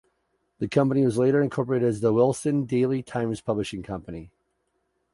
The company was later incorporated as The Wilson Daily Times Publishing Company.